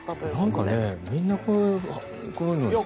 なんかみんなこういうの。